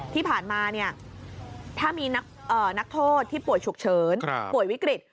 ที่ผ่านมาถ้ามีนักโทษที่ป่วยฉุกเฉินป่วยวิกฤต